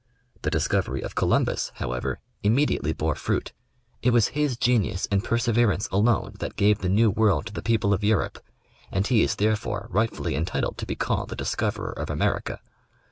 The discovery of Columbus, however, im mediately bore fruit. It was his genius and perseverance alone that gave the new world to the people of Europe, and he is therefore rightfully entitled to be called the discoverer of Amer ica.